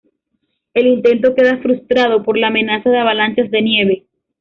El intento queda frustrado por la amenaza de avalanchas de nieve.